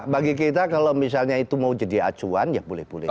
bagi kita kalau misalnya itu mau jadi acuan ya boleh boleh